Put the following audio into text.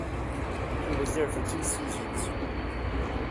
He was there for two seasons.